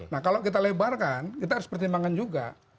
nah kalau kita lebarkan kita harus pertimbangkan juga